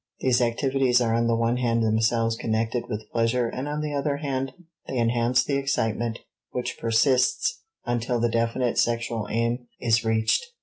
These activities are on the one hand themselves connected with pleasure and on the other hand they enhance the excitement which persists until the definite sexual aim is reached.